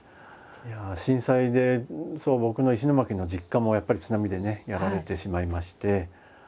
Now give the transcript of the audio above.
震災で僕の石巻の実家もやっぱり津波でねやられてしまいまして。